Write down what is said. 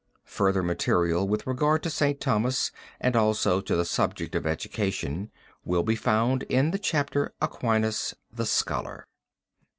Further material with regard to St. Thomas and also to the subject of education will be found in the chapter, Aquinas the Scholar.